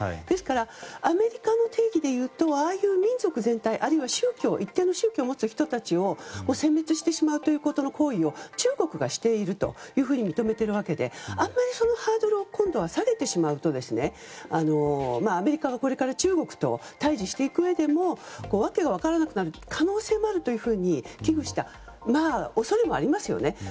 ですからアメリカの定義で言うと民族全体あるいは一定の宗教を持つ人たちを殲滅してしまうという行為を中国がしていると認めているわけであまりそのハードルを今度は下げてしまうとアメリカがこれから中国と対峙していくうえでも訳が分からなくなる可能性もあるというふうに危惧した恐れもありますよね。